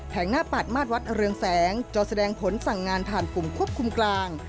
งหน้าปาดมาตรวัดเรืองแสงจอแสดงผลสั่งงานผ่านกลุ่มควบคุมกลาง